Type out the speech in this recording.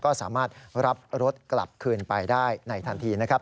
ก็สามารถรับรถกลับคืนไปได้ในทันทีนะครับ